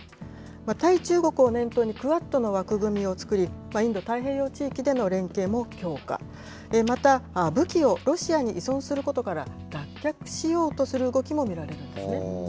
対中国を念頭に、クアッドの枠組みを作り、インド太平洋地域での連携も強化、また、武器をロシアに依存することから脱却しようとする動きも見られるんですね。